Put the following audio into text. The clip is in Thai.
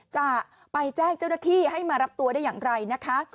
จะไปแจ้งเจ้าหน้าที่ให้มารับตัวได้อย่างไรนะคะ